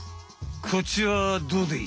こっちはどうだい？